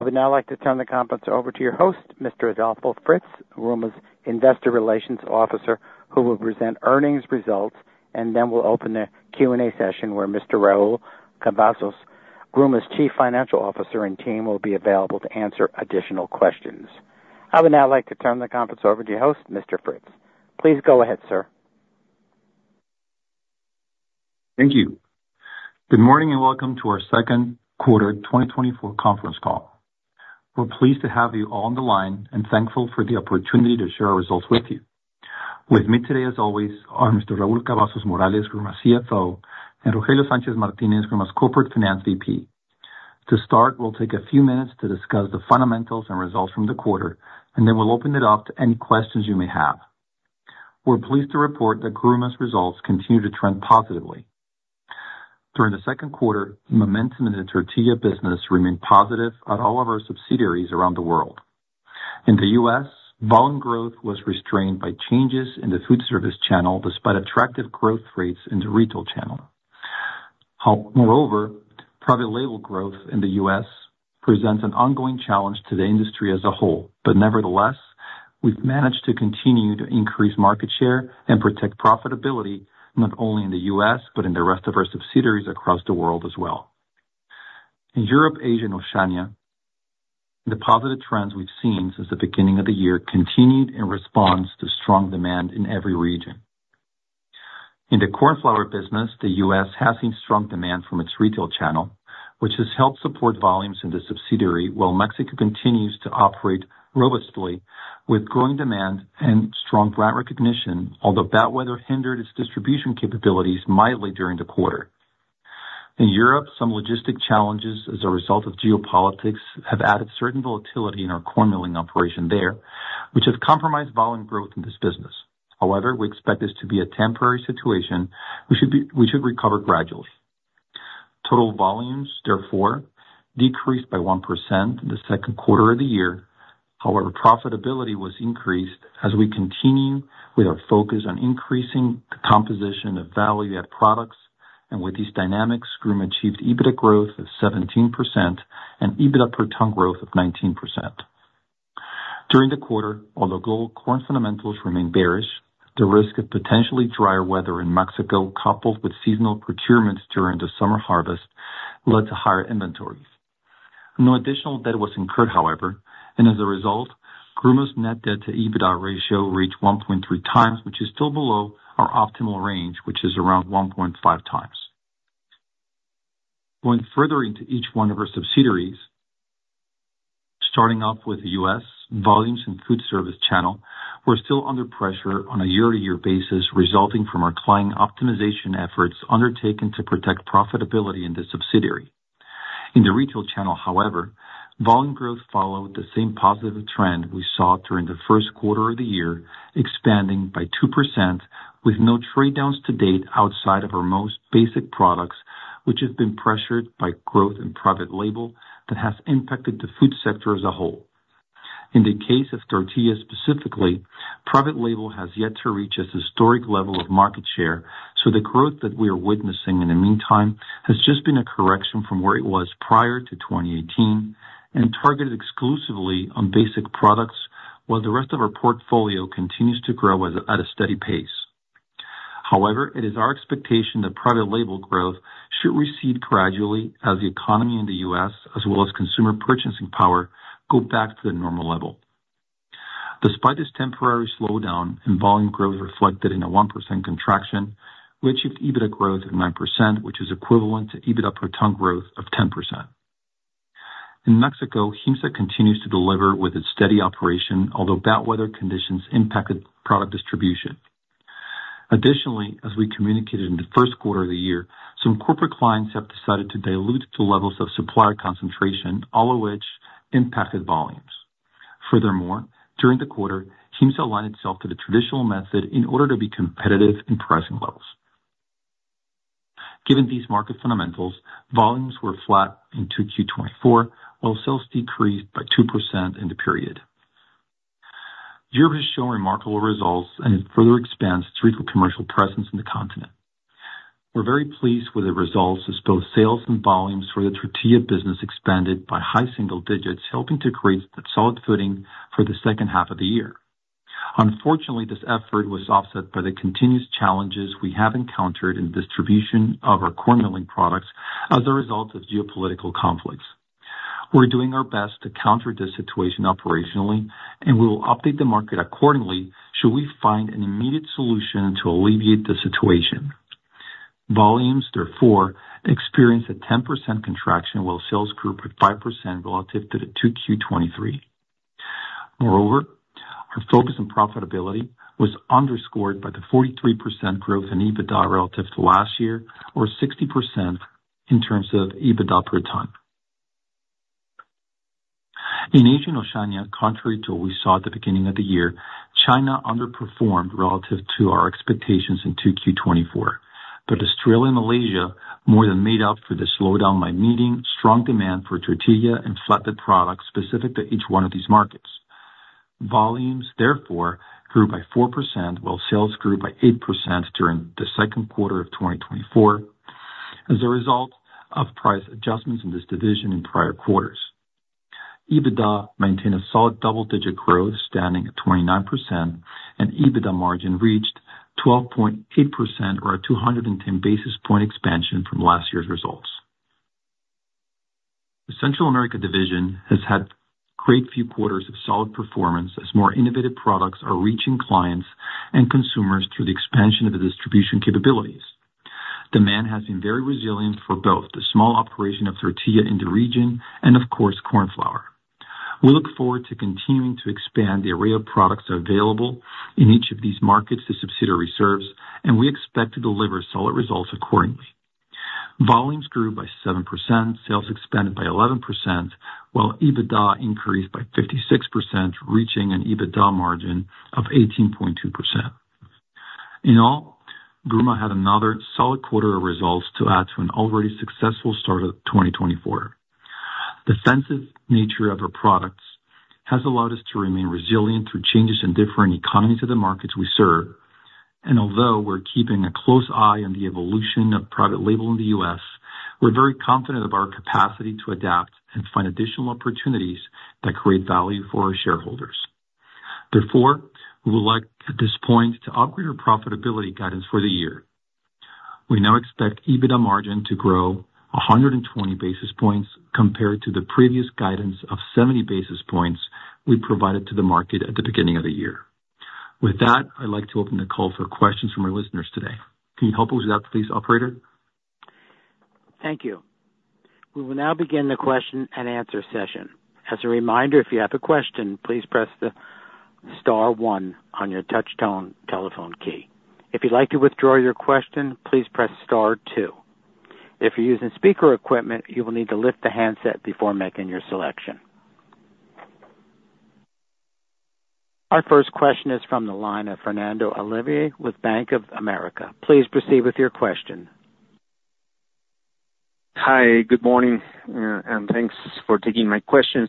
I would now like to turn the conference over to your host, Mr. Adolfo Fritz, Gruma's Investor Relations Officer, who will present earnings results, and then we'll open the Q&A session where Mr. Raúl Cavazos, Gruma's Chief Financial Officer and team, will be available to answer additional questions. I would now like to turn the conference over to your host, Mr. Fritz. Please go ahead, sir. Thank you. Good morning and welcome to our second quarter 2024 conference call. We're pleased to have you all on the line and thankful for the opportunity to share our results with you. With me today, as always, are Mr. Raúl Cavazos Morales, Gruma's CFO, and Rogelio Sánchez Martínez, Gruma's Corporate Finance VP. To start, we'll take a few minutes to discuss the fundamentals and results from the quarter, and then we'll open it up to any questions you may have. We're pleased to report that Gruma's results continue to trend positively. During the second quarter, the momentum in the tortilla business remained positive at all of our subsidiaries around the world. In the US, volume growth was restrained by changes in the food service channel despite attractive growth rates in the retail channel. Moreover, private label growth in the US presents an ongoing challenge to the industry as a whole, but nevertheless, we've managed to continue to increase market share and protect profitability not only in the US but in the rest of our subsidiaries across the world as well. In Europe, Asia, and Oceania, the positive trends we've seen since the beginning of the year continued in response to strong demand in every region. In the corn flour business, the US has seen strong demand from its retail channel, which has helped support volumes in the subsidiary, while Mexico continues to operate robustly with growing demand and strong brand recognition, although bad weather hindered its distribution capabilities mildly during the quarter. In Europe, some logistic challenges as a result of geopolitics have added certain volatility in our corn milling operation there, which has compromised volume growth in this business. However, we expect this to be a temporary situation. We should recover gradually. Total volumes, therefore, decreased by 1% in the second quarter of the year. However, profitability was increased as we continue with our focus on increasing the composition of value-added products, and with these dynamics, Gruma achieved EBITDA growth of 17% and EBITDA per ton growth of 19%. During the quarter, although global corn fundamentals remained bearish, the risk of potentially drier weather in Mexico, coupled with seasonal procurements during the summer harvest, led to higher inventories. No additional debt was incurred, however, and as a result, Gruma's net debt-to-EBITDA ratio reached 1.3 times, which is still below our optimal range, which is around 1.5 times. Going further into each one of our subsidiaries, starting off with the U.S., volumes in the food service channel were still under pressure on a year-to-year basis, resulting from our client optimization efforts undertaken to protect profitability in the subsidiary. In the retail channel, however, volume growth followed the same positive trend we saw during the first quarter of the year, expanding by 2% with no trade downs to date outside of our most basic products, which have been pressured by growth in private label that has impacted the food sector as a whole. In the case of tortillas specifically, private label has yet to reach a historic level of market share, so the growth that we are witnessing in the meantime has just been a correction from where it was prior to 2018 and targeted exclusively on basic products, while the rest of our portfolio continues to grow at a steady pace. However, it is our expectation that private label growth should recede gradually as the economy in the US, as well as consumer purchasing power, go back to the normal level. Despite this temporary slowdown in volume growth reflected in a 1% contraction, we achieved EBITDA growth of 9%, which is equivalent to EBITDA per ton growth of 10%. In Mexico, GIMSA continues to deliver with its steady operation, although bad weather conditions impacted product distribution. Additionally, as we communicated in the first quarter of the year, some corporate clients have decided to dilute the levels of supplier concentration, all of which impacted volumes. Furthermore, during the quarter, GIMSA aligned itself to the traditional method in order to be competitive in pricing levels. Given these market fundamentals, volumes were flat in Q2 2024, while sales decreased by 2% in the period. Europe has shown remarkable results and has further expanded its retail commercial presence in the continent. We're very pleased with the results as both sales and volumes for the tortilla business expanded by high single digits, helping to create solid footing for the second half of the year. Unfortunately, this effort was offset by the continuous challenges we have encountered in the distribution of our corn milling products as a result of geopolitical conflicts. We're doing our best to counter this situation operationally, and we will update the market accordingly should we find an immediate solution to alleviate the situation. Volumes, therefore, experienced a 10% contraction, while sales grew by 5% relative to Q23. Moreover, our focus on profitability was underscored by the 43% growth in EBITDA relative to last year, or 60% in terms of EBITDA per ton. In Asia and Oceania, contrary to what we saw at the beginning of the year, China underperformed relative to our expectations in Q24, but Australia and Malaysia more than made up for the slowdown by meeting strong demand for tortilla and flatbreads specific to each one of these markets. Volumes, therefore, grew by 4%, while sales grew by 8% during the second quarter of 2024 as a result of price adjustments in this division in prior quarters. EBITDA maintained a solid double-digit growth, standing at 29%, and EBITDA margin reached 12.8%, or a 210 basis points expansion from last year's results. The Central America division has had a great few quarters of solid performance as more innovative products are reaching clients and consumers through the expansion of the distribution capabilities. Demand has been very resilient for both the small operation of tortilla in the region and, of course, corn flour. We look forward to continuing to expand the array of products available in each of these markets the subsidiary serves, and we expect to deliver solid results accordingly. Volumes grew by 7%, sales expanded by 11%, while EBITDA increased by 56%, reaching an EBITDA margin of 18.2%. In all, Gruma had another solid quarter of results to add to an already successful start of 2024. The sensitive nature of our products has allowed us to remain resilient through changes in different economies of the markets we serve, and although we're keeping a close eye on the evolution of private label in the U.S., we're very confident of our capacity to adapt and find additional opportunities that create value for our shareholders. Therefore, we would like at this point to upgrade our profitability guidance for the year. We now expect EBITDA margin to grow 120 basis points compared to the previous guidance of 70 basis points we provided to the market at the beginning of the year. With that, I'd like to open the call for questions from our listeners today. Can you help us with that, please, Operator? Thank you. We will now begin the question and answer session. As a reminder, if you have a question, please press the star one on your touch-tone telephone key. If you'd like to withdraw your question, please press star two. If you're using speaker equipment, you will need to lift the handset before making your selection. Our first question is from the line of Fernando Olvera with Bank of America. Please proceed with your question. Hi, good morning, and thanks for taking my questions.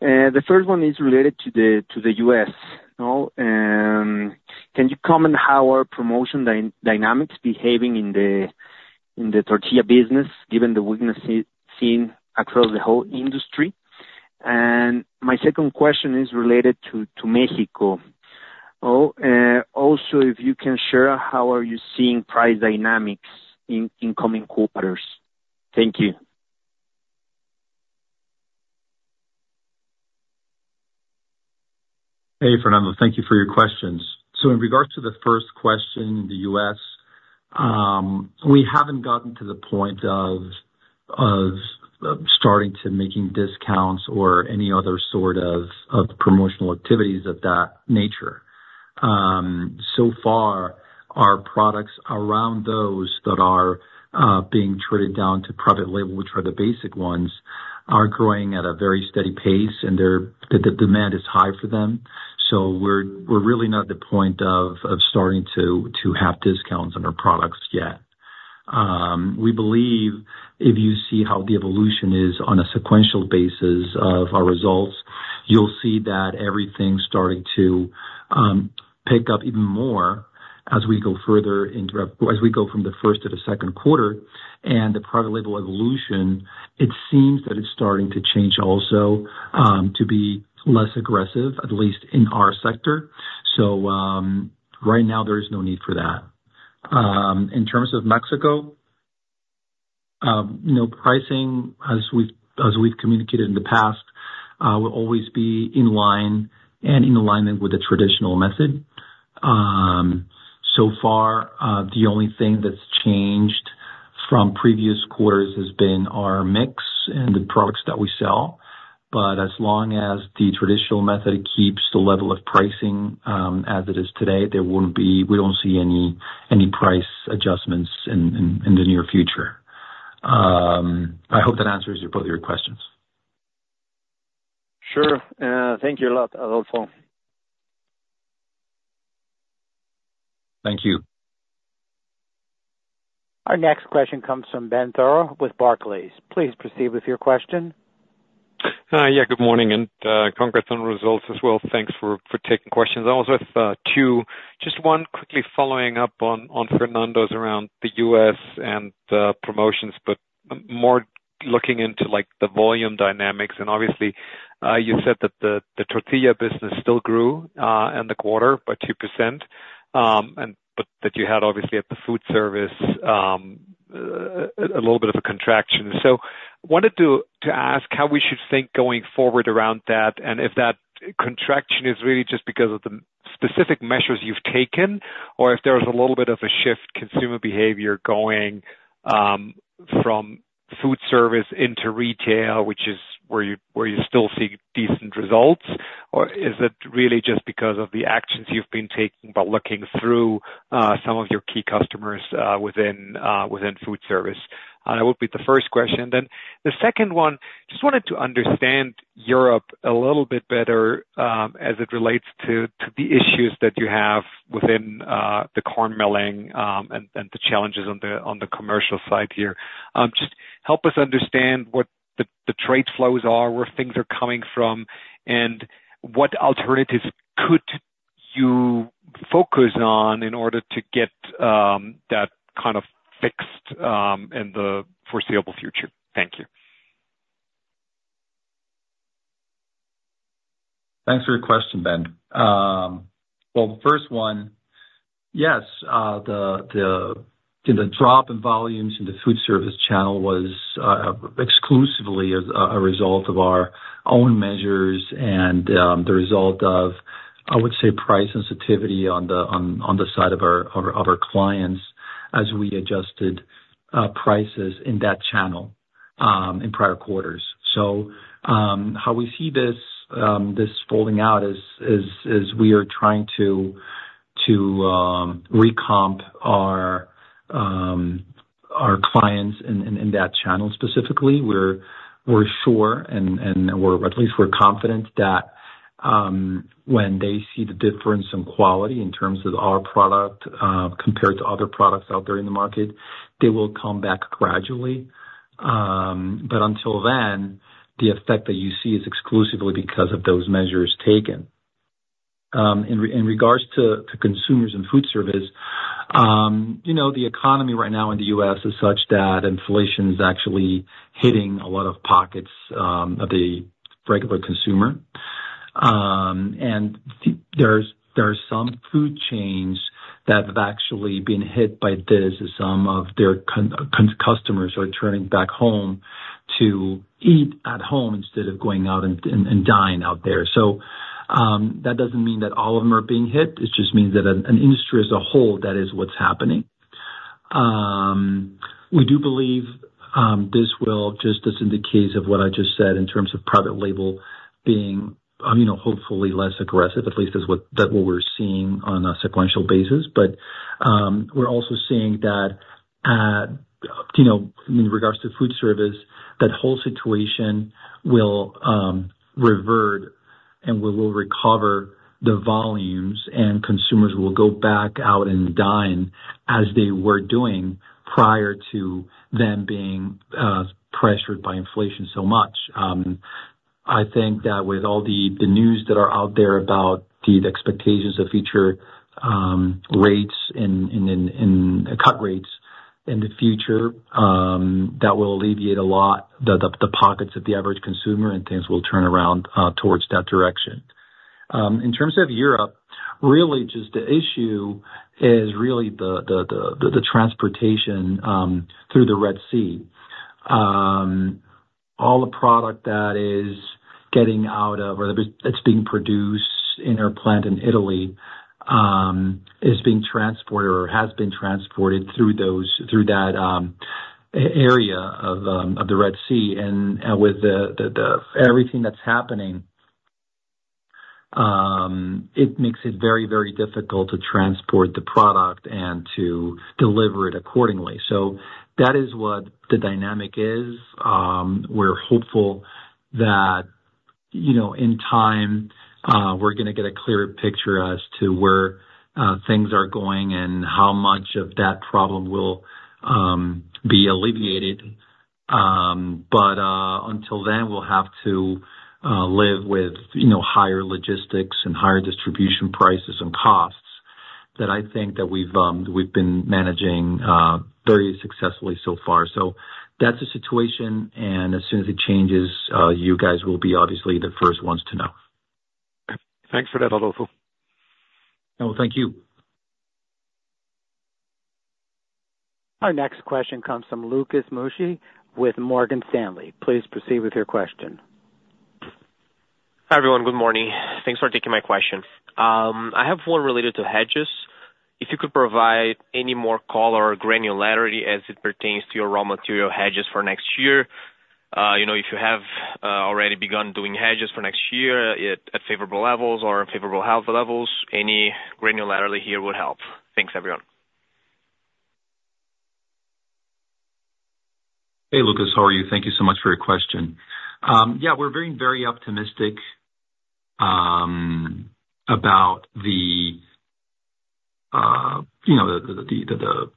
The first one is related to the U.S. Can you comment on how our promotion dynamics are behaving in the tortilla business, given the weakness seen across the whole industry? My second question is related to Mexico. Also, if you can share how you are seeing price dynamics in incoming quarters. Thank you. Hey, Fernando. Thank you for your questions. So in regards to the first question in the U.S., we haven't gotten to the point of starting to make discounts or any other sort of promotional activities of that nature. So far, our products around those that are being traded down to private label, which are the basic ones, are growing at a very steady pace, and the demand is high for them. So we're really not at the point of starting to have discounts on our products yet. We believe if you see how the evolution is on a sequential basis of our results, you'll see that everything's starting to pick up even more as we go further into as we go from the first to the second quarter. And the private label evolution, it seems that it's starting to change also to be less aggressive, at least in our sector. So right now, there is no need for that. In terms of Mexico, pricing, as we've communicated in the past, will always be in line and in alignment with the traditional method. So far, the only thing that's changed from previous quarters has been our mix and the products that we sell. But as long as the traditional method keeps the level of pricing as it is today, we don't see any price adjustments in the near future. I hope that answers both of your questions. Sure. Thank you a lot, Adolfo. Thank you. Our next question comes from Benjamin Theurer with Barclays. Please proceed with your question. Yeah, good morning, and congrats on the results as well. Thanks for taking questions. I was with two. Just one quickly following up on Fernando's around the U.S. and the promotions, but more looking into the volume dynamics. Obviously, you said that the tortilla business still grew in the quarter by 2%, but that you had, obviously, at the food service a little bit of a contraction. I wanted to ask how we should think going forward around that, and if that contraction is really just because of the specific measures you've taken, or if there's a little bit of a shift in consumer behavior going from food service into retail, which is where you still see decent results, or is it really just because of the actions you've been taking by looking through some of your key customers within food service? That would be the first question. Then the second one, just wanted to understand Europe a little bit better as it relates to the issues that you have within the corn milling and the challenges on the commercial side here. Just help us understand what the trade flows are, where things are coming from, and what alternatives could you focus on in order to get that kind of fixed in the foreseeable future. Thank you. Thanks for your question, Ben. Well, the first one, yes, the drop in volumes in the food service channel was exclusively a result of our own measures and the result of, I would say, price sensitivity on the side of our clients as we adjusted prices in that channel in prior quarters. So how we see this folding out is we are trying to re-comp our clients in that channel specifically. We're sure, and at least we're confident that when they see the difference in quality in terms of our product compared to other products out there in the market, they will come back gradually. But until then, the effect that you see is exclusively because of those measures taken. In regards to consumers and food service, the economy right now in the U.S. is such that inflation is actually hitting a lot of pockets of the regular consumer. There are some food chains that have actually been hit by this, as some of their customers are turning back home to eat at home instead of going out and dining out there. That doesn't mean that all of them are being hit. It just means that an industry as a whole, that is what's happening. We do believe this will, just as in the case of what I just said in terms of private label being, hopefully, less aggressive, at least is what we're seeing on a sequential basis. We're also seeing that in regards to food service, that whole situation will revert, and we will recover the volumes, and consumers will go back out and dine as they were doing prior to them being pressured by inflation so much. I think that with all the news that are out there about the expectations of future rates and cut rates in the future, that will alleviate a lot the pockets of the average consumer, and things will turn around towards that direction. In terms of Europe, really, just the issue is really the transportation through the Red Sea. All the product that is getting out of or that's being produced in our plant in Italy is being transported or has been transported through that area of the Red Sea. With everything that's happening, it makes it very, very difficult to transport the product and to deliver it accordingly. That is what the dynamic is. We're hopeful that in time, we're going to get a clearer picture as to where things are going and how much of that problem will be alleviated. Until then, we'll have to live with higher logistics and higher distribution prices and costs that I think that we've been managing very successfully so far. That's the situation. As soon as it changes, you guys will be obviously the first ones to know. Thanks for that, Adolfo. Well, thank you. Our next question comes from Lucas Mussi with Morgan Stanley. Please proceed with your question. Hi, everyone. Good morning. Thanks for taking my question. I have one related to hedges. If you could provide any more color or granularity as it pertains to your raw material hedges for next year, if you have already begun doing hedges for next year at favorable levels or favorable hedge levels, any granularity here would help. Thanks, everyone. Hey, Lucas, how are you? Thank you so much for your question. Yeah, we're being very optimistic about the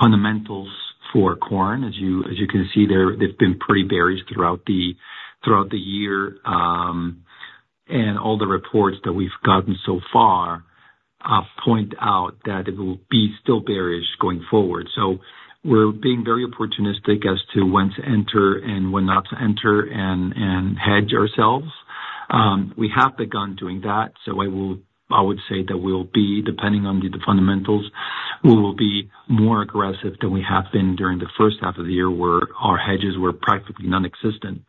fundamentals for corn. As you can see, they've been pretty bearish throughout the year. All the reports that we've gotten so far point out that it will be still bearish going forward. We're being very opportunistic as to when to enter and when not to enter and hedge ourselves. We have begun doing that. I would say that we'll be, depending on the fundamentals, we will be more aggressive than we have been during the first half of the year where our hedges were practically nonexistent.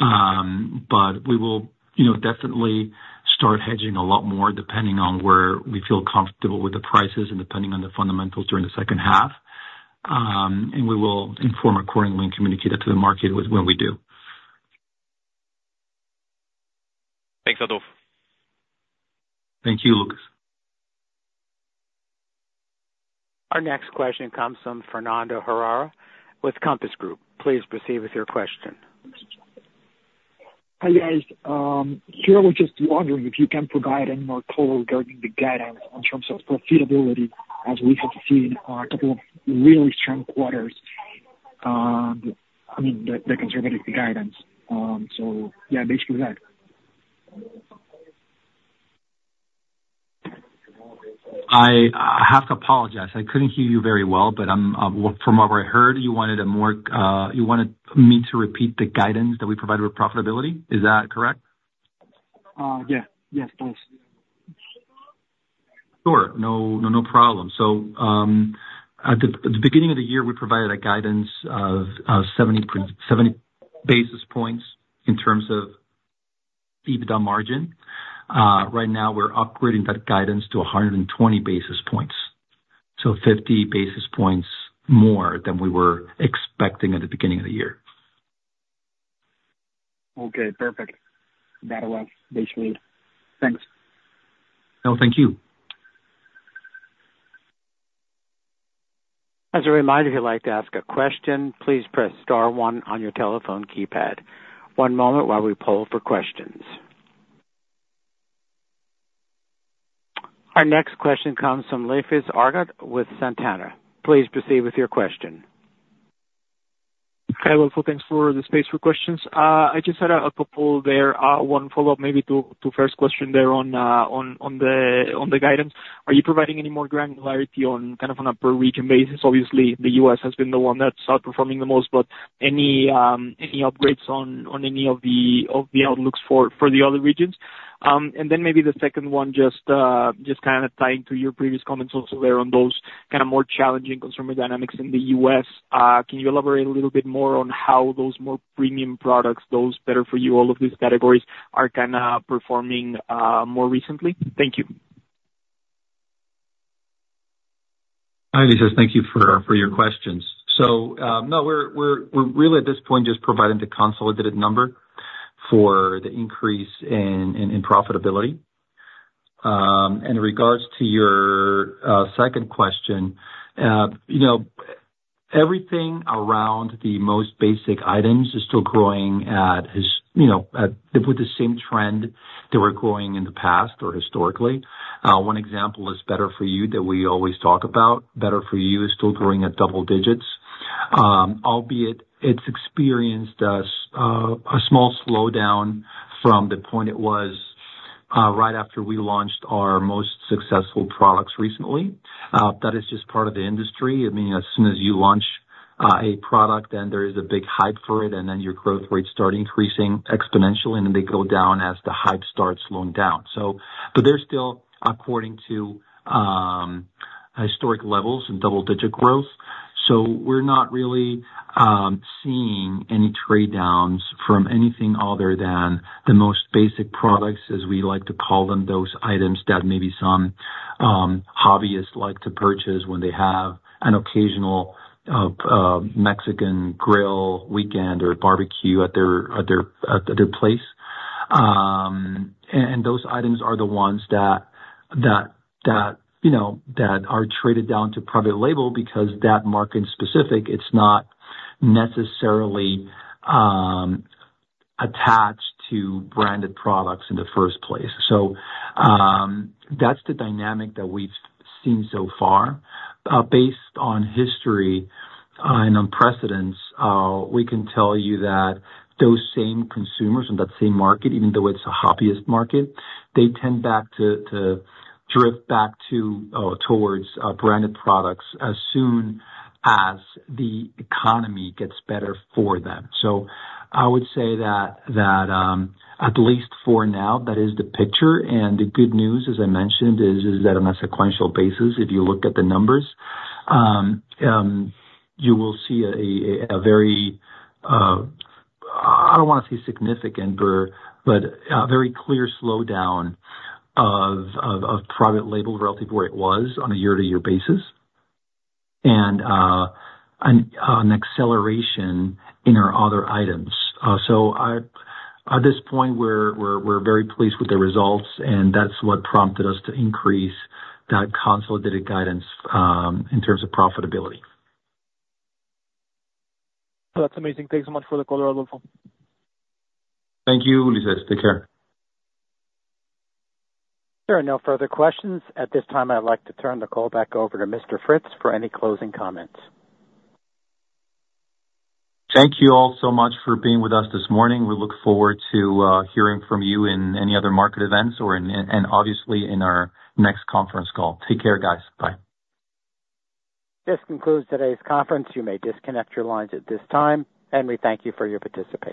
We will definitely start hedging a lot more depending on where we feel comfortable with the prices and depending on the fundamentals during the second half. We will inform accordingly and communicate it to the market when we do. Thanks, Adolfo. Thank you, Lucas. Our next question comes from Fernando Herrera with Compass Group. Please proceed with your question. Hi, guys. Here we're just wondering if you can provide any more color regarding the guidance in terms of profitability as we have seen a couple of really strong quarters. I mean, the conservative guidance. So yeah, basically that. I have to apologize. I couldn't hear you very well, but from what I heard, you wanted me to repeat the guidance that we provided with profitability. Is that correct? Yeah. Yes, please. Sure. No problem. So at the beginning of the year, we provided a guidance of 70 basis points in terms of EBITDA margin. Right now, we're upgrading that guidance to 120 basis points, so 50 basis points more than we were expecting at the beginning of the year. Okay. Perfect. That'll work, basically. Thanks. No, thank you. As a reminder, if you'd like to ask a question, please press star one on your telephone keypad. One moment while we pull for questions. Our next question comes from Ulises Argote with Santander. Please proceed with your question. Hi, Adolfo. Thanks for the space for questions. I just had a couple there. One follow-up, maybe two first questions there on the guidance. Are you providing any more granularity on kind of on a per-region basis? Obviously, the U.S. has been the one that's outperforming the most, but any upgrades on any of the outlooks for the other regions? And then maybe the second one, just kind of tying to your previous comments also there on those kind of more challenging consumer dynamics in the U.S., can you elaborate a little bit more on how those more premium products, those Better For You, all of these categories are kind of performing more recently? Thank you. Hi, Ulises. Thank you for your questions. So no, we're really at this point just providing the consolidated number for the increase in profitability. And in regards to your second question, everything around the most basic items is still growing with the same trend that we're growing in the past or historically. One example is Better For You that we always talk about. Better For You is still growing at double digits, albeit it's experienced a small slowdown from the point it was right after we launched our most successful products recently. That is just part of the industry. I mean, as soon as you launch a product, then there is a big hype for it, and then your growth rates start increasing exponentially, and then they go down as the hype starts slowing down. But they're still according to historic levels and double-digit growth. We're not really seeing any trade-downs from anything other than the most basic products, as we like to call them, those items that maybe some hobbyists like to purchase when they have an occasional Mexican grill weekend or barbecue at their place. Those items are the ones that are traded down to private label because that market-specific, it's not necessarily attached to branded products in the first place. That's the dynamic that we've seen so far. Based on history and on precedent, we can tell you that those same consumers in that same market, even though it's a hobbyist market, they tend to drift back toward branded products as soon as the economy gets better for them. I would say that at least for now, that is the picture. And the good news, as I mentioned, is that on a sequential basis, if you look at the numbers, you will see a very, I don't want to say significant, but a very clear slowdown of private label relative to where it was on a year-over-year basis and an acceleration in our other items. So at this point, we're very pleased with the results, and that's what prompted us to increase that consolidated guidance in terms of profitability. That's amazing. Thanks so much for the call, Adolfo. Thank you, Ulises. Take care. There are no further questions. At this time, I'd like to turn the call back over to Mr. Fritz for any closing comments. Thank you all so much for being with us this morning. We look forward to hearing from you in any other market events or, obviously, in our next conference call. Take care, guys. Bye. This concludes today's conference. You may disconnect your lines at this time. We thank you for your participation.